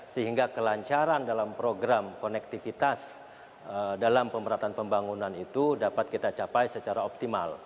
sehingga kelancaran dalam program konektivitas dalam pemerintahan pembangunan itu dapat kita capai secara optimal